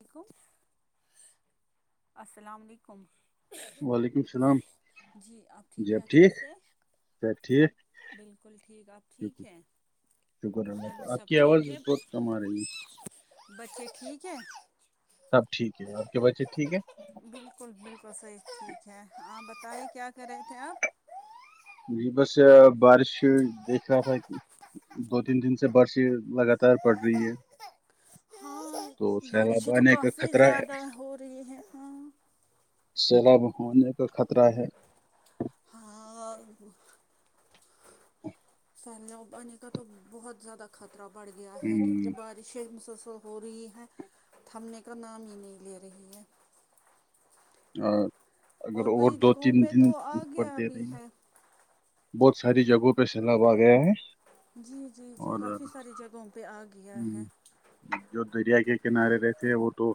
یک السلام علیکم وعلیکم السلام جی آپ ٹھیک ہیں اچے سے سب ٹھیک بالکل ٹھیک آپ شکر ٹھیک ہیں شکر گھر اللہ میں آپ سب کی آواز ٹھیک ہے بہت کم آ رہی ہے بچے ٹھیک ہے سب ٹھیک ہے اورپ کے بچے ٹھیک ہے بالکل بالکل صحیح ٹھیک ہے آپ بتائیے کیا کرے تھے آپ جی بس بارش دیکھ رہا تھا کہ دو تین دن سے برش لگاتار پڑ رہی ہے ہاں تو سیلاب بارشیں تو آنے کا کافی خطرہ ہے زیادہ ہو رہی ہے ہاں سیلاب ہونے کا خطرہ ہے ہؤ [inaudible] پھیللا پے کا تو بہت زیادہ خطرہ بڑھ گیا ہے ہم، کیونکہ شیر مسلسل ہو رہی ہے تھمنے کا نام ہی نہیں لے رہی ہے اگر اور کئی دو جگہوں تین پہ دن تو آ اوپر گیا دے بھی رہی ہیں ہے بہت ساری جگہوں پہ سیلاب آ گیا ہے جی جی جی اور کافی ساری جگہوں پہ آ گیا ہم، ہے جو دریا کے کنارے رہتے وہ تو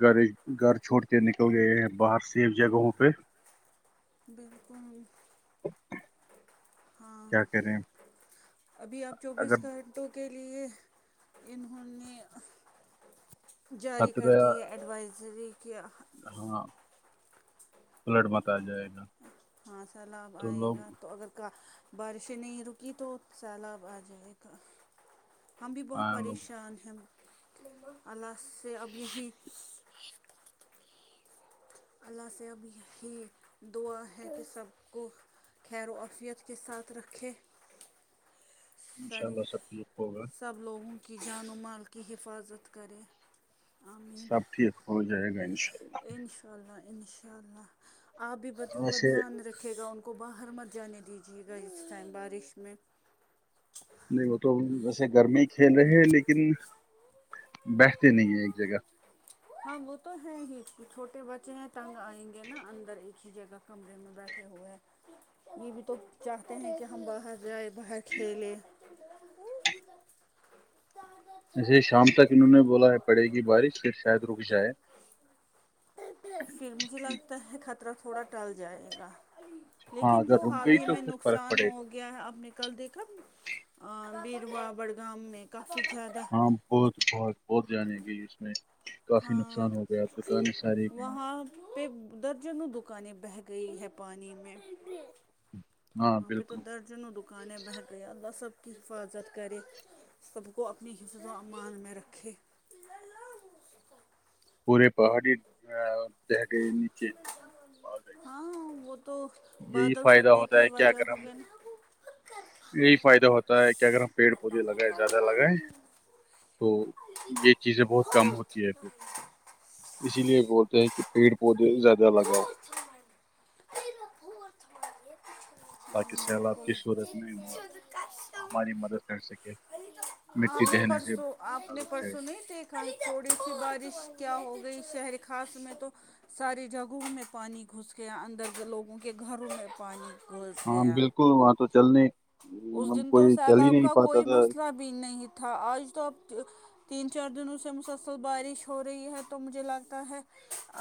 گھر گھر چھوڑ کے نکل گئے ہیں باہر سے جگہوں پہ بالکل ہاں کیا کریں ابھی آپ اگر چوبیس گھنٹوں کے لیے انہوں نے جاری کر خطرہ دی ہے ایڈوائزری کہ ہاں فلڈ مت آ جائے گا ہاں سیلاب تو آئے لوگ گا تو اگر کا بارشیں نہیں رکی تو سال آ جائے گ ہم بھی بہت آئیں لوگ پریشان ہیں اللہ سے اب یہی اللہ سے اب یہی دعا ہے کہ سب کو خیر و آفیت کے ساتھ رکھے ان شاء سری اللہ سب ٹھیک ہوگا سب لوگوں کی جان و مال کی حفاظت کرے آمین سب ٹھیک ہو جائے گا ان شاء اللہ انشاء اللہ انشاء اللہ آپ بھی اللہ بچوں کا ویسے دھیان رکھے گا ان کا کو باہر مت جانے دیجیے گا جس ٹائم بارش میں نہیں وہ تو ویسے گرمی ہی کھیل رہے ہیں لیکن بیٹھتے نہیں ہیں ایک جگہ ہاں وہ تو ہے ہی چھوٹے بچے ہیں تٹنگ آئیں گے نا اندر ایک ہی جگہ کمرے میں بیٹ کے ہوئے یہ بھی تو چاہتے ہیں کہ ہم باہر جائیں باہر کھیلے جیسے شام تک انہوں نے بولا ہے پڑے گی بارش پھر شاید رک جائے پھر مجھے لگتا ہے خطرہ تھوڑا ٹل جائے گا ہاں لیکن جو اگر رک حال گئی ہی تو میں پھر فرق نقصان پڑے گا ہو گیا ہے اپنے کل دیکھا بییروا بڑگام میں کافی زیادہ ہاں بہت بہت بہت جانے گی اس میں کافی ہاں نقصان ہو گیا دکانیں ساری گئی وہاں درجنوں دکانیں بہگ ہیں پانیانی میں ہاں وہاں پہ تو بالکل درجنوں دکانیں بٹھ گئی اللہ سب کی حفاظت کرے سب کو اپنی حصظ امال میں رکھے پورے پہاڑی ا دے نیچے آ گئے ہاں وہ تو یہی بادل فائدہ پھٹنے ہوتا کی ہے کہ وجہ اگر ہو ہم گئے یہی فائدہ ہوتا ہے کہ اگر ہم پیڑ پودے لگائیں زیادہ لگائے نا تو یہ چیزیں بہت کم ہوتی ہے پھر اسی لیے بولتے ہیں کہ پیڑ پودے زیادہ لگاؤ پو ات بھیے تاکہ سیلاب کی صورت میں وہ ہماری مدد کر سکے مٹی آپ نے ڈہنے سے پرسوں آپ نے رک جائے پرسوں نہیں دیکھل تھوڑی سی بارش کیا ہو گئی شہر خاص میں تو ساری جگہوں میں پانی گھس کے اندر کے لوگوں کے گھروں میں پانی گھس ہاں گیا بالکل وہاں تو چلنے اس مطلب دن تو کوئی چل ہی سیلاب نہیں کا پاتا کوئی تھا مسئلہ بھی نہیں تھا آج تو اب تین چار دنوں سے مسلسل بارش ہو رہی ہے تو مجھے لگتا ہے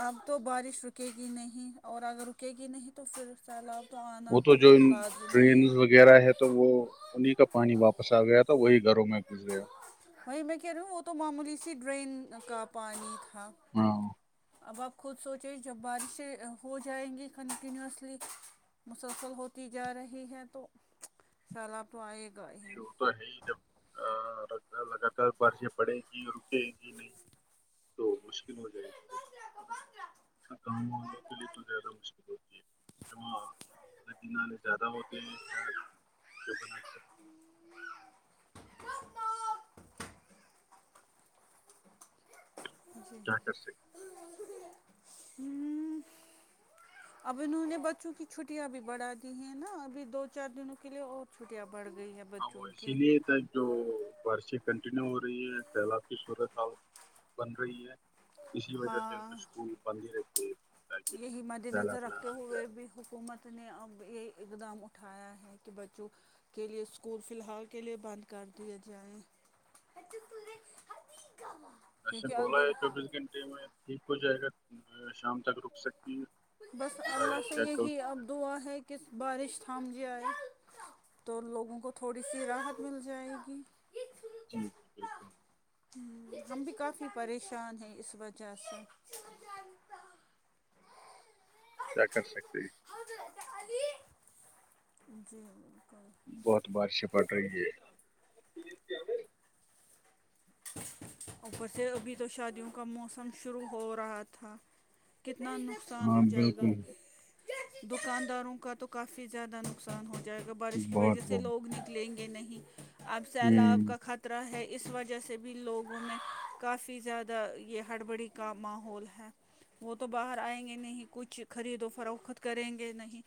اب تو بارش رکے گی نہیں اور اگر رکے گی نہیں تو تو پھرف سیلاب تو آنا وہ تو جو لازمی ہے ڈرینز وغیرہ ہے تو وہ انہیں کا پانی واپس آ گیا تھا وہی گھروں میں گزریا بھائی میں کہہ رہی ہوں وہ تو معمولی سی ڈرین کا پانی تھا ہاں اب آپ خود سوچیں جب بارشیں ہو جائیں گی کنٹینوسلی مسلسل ہوتی جا رہی ہے تو شاء الپ تو آئے گا ہی یہ وہ تو ہے ہی جب لگاتار بارشیں پڑے گی اور رکے گی نہیں تو مشکل ہو جائے اس کو پندرہ گاؤں والوں کے لیے تو زیادہ مشکل ہوتی ہے جو وہاں نق نانے زیادہ ہوتے ہیں شاید جو بناک کیا کر سکتے ہیں۔ [unintelligible] [inaudible] اب انہوں نے بچوں کی چھٹیاں بھی بڑا دی ہیں نا ابھی دو چار دنوں کے لیے اور چھٹیاں بڑھ گئی ہیں ا ا وہ اسی لیے ت جو بارشیں کنٹینیو ہو رہی ہے سیلاب کی صورت حال بن رہی ہے اسی وجہ سے نے ہاں اسکول بند ہی رکھے تاکہ یہی مد سیلاب نظر نا رکھتے ہوئے آجائے بھی حکومت نے اب یہ اقدام اٹھایا ہے کہ بچوں کے لیے اسکول فلحال کے لیے بند کر دیا جائے [inaudible] [inaudible] اچھا بولا اگر ہے چوبیس گھنٹے میں ٹھیک ہو جائے گا شام تک رک سکتی ہے بس اللہ بارش سے یا کل یہی اب صبح دعا ہے کہ کہس بارش تھام ج آئے تو لوگوں کو تھوڑی سی راحت مل جائے گی جی جی بلکل ہم بھی کافی پریشان ہیں اس وجہ سے کیا کر سکتے ہیں جی بلکل بہت بارش پڑ رہی ہے اوپر سے ابھی تو شادیوں کا موسم شروع ہو رہا تھا کتنا نقصان ہاں ہو جائے گا بالکل دکانداروں کا تو کافی زیادہ نقصان ہو جائے گا بارش کی بہت وجہ سے بہت لوگ نکلیں گے نہیں اب سیلاب ہوں کا خط رہا ہے اس وجہ جیسے بھی لوگوں میں کافی زیادہ یہ ہڑبڑی کا ماحول ہے وہ تو باہر آئیں گے نہیں کچھ خرید و فروخت کریں گے نہیں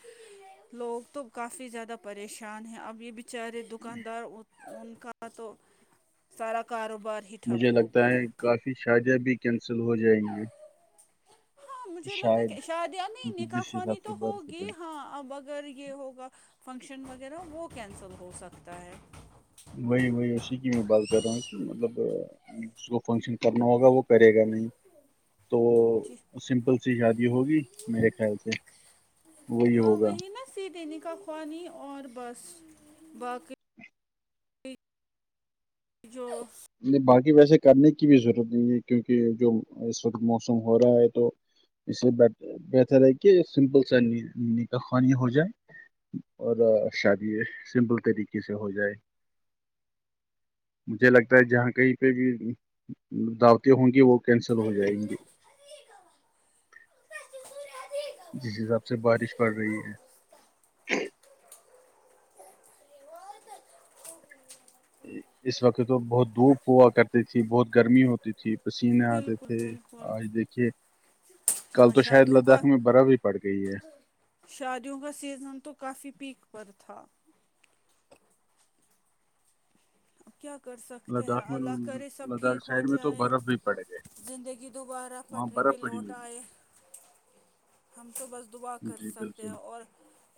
لوگ تو کافی زیادہ پریشان ہیں اب یہ بھی چارے دکاندار ان کا تو سارا کاروبار ہی مجھے ٹھپ ہو لگتا گیا ہے کافی شادیاں بھی کینسل ہو جائیں گی ہاں مجھے لگتا ہے شاید کہ شادیاں نہیں کیونکہ نکا جس خوانی حساب سے تو بارش ہوگی ہوتی ہے ہاں اب اگر یہ ہوگا فنکشن وغیرہ وہ کینسل ہو سکتا ہے وہی وہی اسی کی میں بات کر رہا ہوں کہ مطلب اس کو فنکشن کرنا ہوگا وہ کرے گا نہیں تو جی سمپل سی شادی ہوگی میرے خیال سے وہی ہاں ہوگا نا سیدھے نکاح خوانی اور بس باقی جو نہیں باقی ویسے کرنے کی بھی ضرورت نہیں ہے کیونکہ جو اس وقت موسم ہو رہا ہے تو اس سے بہتر ہے کہ سمپل سا ن کاا خوانی ہو جائے اور شادی سمپل طریقے سے ہو جائے مجھے لگتا جہاں کہیں پہ بھی دعوتیں ہوں گی وہ کینسل ہو جائیں گی جس حساب سے بارش پڑ رہی ہے اس وقت تو بہت دھوپ ہوا کرتی تھی بہت گرمی ہوتی تھی پسینے آتے بالکل تھے بالکل آج دیکھیے کل ہاں تو شاید شادیوں کا لداخ میں برف ہی پڑ گئی ہے شادیوں کا سیزن تو کافی پیک پر تھا اب کیا کر سکتے ہیں لداخ میں اللہ کرے سب لداخ ٹھیک ہو سائڈ میں تو جائے برف بھی پڑ گئے زندگی دوبارہ وہاں پٹری برف پہ پڑی لوٹ ہوگی آئے [inaudible] ہم تو بس دعا کر جی سکتے ہیں بالکل اور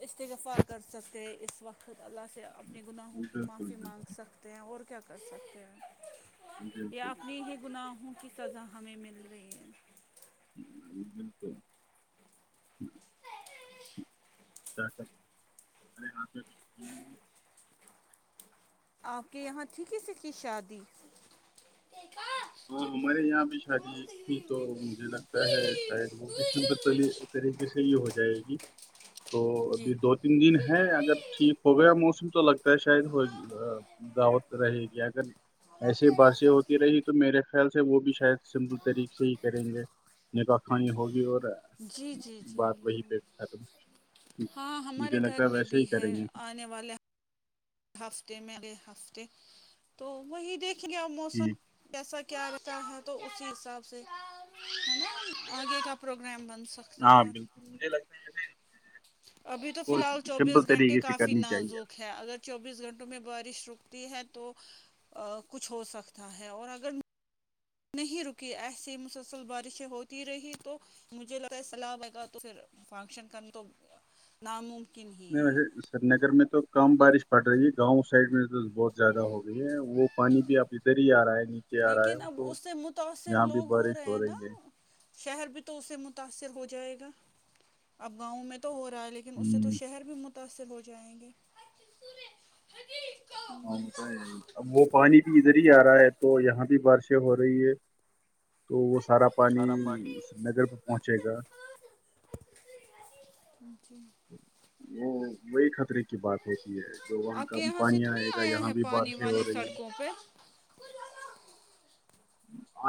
استغفا کر سکتے اس وقت اللہ سے اپنے گناہوں کی بالکل بالکل معافی مانگ سکتے ہیں اور کیا کر سکتے ہیں یا بالکل اپنی ہی گناہوں کی سزا ہمیں مل رہی ہے ہ بالکل ج کر ارے یہاں پہ کچھ نہیں آپ کے یہاں تھی کس اس کی شادی ہاں ہمارے یہاں بھی شادی ایک تھی تو مجھے لگتا ہے شاید وہ کسیم طریقے سے یہ ہو جائے گی تو جی ابھی دو تین دن ہے اگر ٹھیک ہو گیا موسم تو لگتا ہے شاید دعوت رہے گی اگر ایسیے بارشیں ہوتی رہی تو میرے خیال سے وہ بھی شاید سمپل طریق سے ہی کریں گے نکا خانی ہوگی اور ہے جی جی جی بالکل ہاں ہمارے مجھے لگتا گھر ہے میں ویسے ہی بھی کریں ہے گے آنے والے ہفتے میںے ہفتے تو وہی دیکھیں گے ا موسم ٹھیک کیسا کیا رہتا ہے تو اسی حساب سے نا آگے کا پروگرام بن سکتا ہاں ہے بالکل مجھے لگتا ہےسے ابھی تو فی الحال چوبیس گھنٹے طریقے سے کافی کرنی چاہیے نازک ہیں ہے اگر چوبیس گھنٹوں میں بارش رکتی ہے تو کچھ ہو سکتا ہے اور اگر نہیں رکی ایسیے مسلسل بارشیں ہوتی رہی تو مجھے لگتا ہے سلاح وگہ تو پھر فنکشن کرنا تو ناممکن ہی نہیں ہے ویسے سری نگر میں تو کم بارش پڑ رہی ہے گاؤں سائڈ میں تو بہت زیادہ ہو گئی ہے وہ پانی بھی اب ادھر ہی آ رہا ہے آ رہا ہے لیکن اب تو اس سے متاثر یہاں بھی لوگ ہو بارش رہے ہیں نا رہی ہے شہر بھی تو اس سے متاثر ہو جائے گا اب گاؤں میں تو ہو رہا ہے لیکن لن اس سے تو ہ شہر بھی متاثر ہو جائیں گے ا وہ پانی بھی ادھر ہی آ رہا ہے تو یہاں بھی بارشیں ہو رہی ہے تو وہ سارا پانی نگر پہ پہنچے گا پ جی وہ وہی خطرے کی بات ہوتی ہے تو وہاں آپ کا کے بھی یہاں پانی آئے گا یہاں بھی بارشیں ہو رہی ہیں اوپے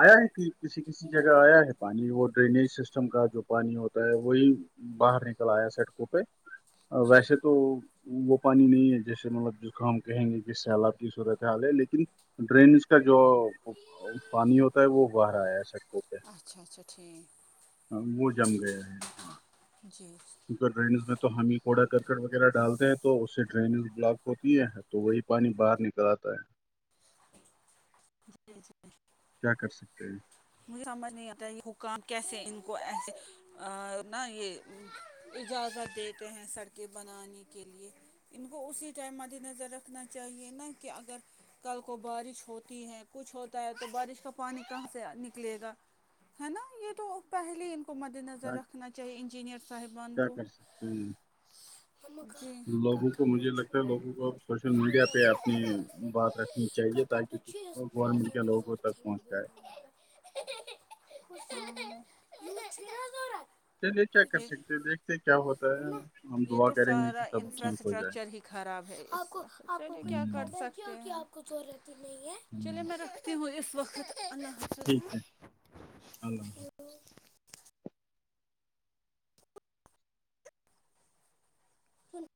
آیا ہے کہ کسی کسی جگہ آیا ہے پانی وہ ڈرینیج سسٹم کا جو پانی ہوتا ہے وہی باہر نکل آیا سڑکوں پہ جی ویسے تو وہ پانی نہیں ہے جیسے مطلب جس کو ہم کہیں گے کہ سیلاب کی صورت ہے حال ہے لیکن ڈرینز کا جو پانی ہوتا ہے وہ باہ رہا ہے سڑکوں پہ اچھا اچھا ٹھیک ہاں وہ جم گیا ہے ہاں جی کیونکہ ڈرینیز میں تو ہم ہی کوڑا کرکٹ وغیرہ ڈالتے ہیں تو اس سے ڈرینیز بلاک ہوتی ہے تو وہی پانی باہر نکل آتا ہے جی جی کیا کر سکتے ہیں مجھے سمجھ نہیں آتا یہ حکام کیسے ان کو ایسے اور ن یہ اجازت دیتے ہیں سڑکیں بنانے کے لیے ان کو اسی ٹائم مد نظر رکھنا چاہیے نا کہ اگر کل کو بارش ہوتی ہے کچھ ہوتا ہے تو بارش کا پانی کہاں سے ن لے گا ہے نا یہ تو پہلے ان کو مد نظر کیا رکھنا چاہیے انجینئر کیا کر سکتے ہیں ہوں ہم ککا پر مجھے چھ لگتا ہے لوگوں کو سوشل میڈیا پہ اپنی بات رکھنی چاہیے کپڑر تاکہ جو اس گورنمنٹ کے لوگوں ورورت تک انن پہنچ جائے ب ت چلیے کیا کر یہ سکتے ہیں دیکھتے ہیں کیا ہوتا ہے ہم یہ دعا تو کریں گے کہ سارا سب ٹھیک ہو جائے انفراسٹرکچر ہی خراب ہے کیا کر ہوں سک کیوںکہ آپ کو ق رتی نہیں ہے چلے ہوں میں رکھتی ہوں اس وقت اللہ حافظ ٹھیک سنو ہے اللہ حافظ فل